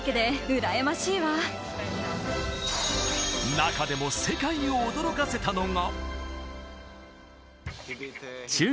中でも世界を驚かせたのが。